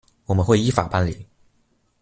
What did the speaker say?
我們會依法辦理